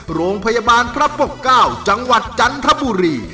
โรงพยาบาลพระปกเก้าจังหวัดจันทบุรี